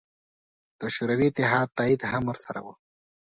د شوروي اتحاد تایید هم ورسره و.